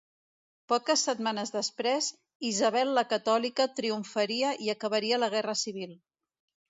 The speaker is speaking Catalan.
Poques setmanes després, Isabel la Catòlica triomfaria i acabaria la guerra civil.